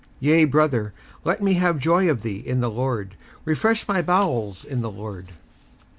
57:001:020 Yea, brother, let me have joy of thee in the Lord: refresh my bowels in the Lord.